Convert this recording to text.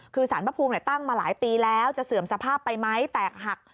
คือสารพระภูมิตั้งมาหลายปีแล้วจะเสื่อมสภาพไปไหมแตกหัก